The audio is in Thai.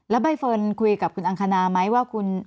แล้วใบเฟิร์นคุยกับคุณอังคณาไหมว่าคุณ